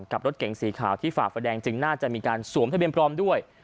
กับรถเก๋งสีขาวที่ฝ่าไฟแดงจึงน่าจะมีการสวมทะเบียนพร้อมด้วย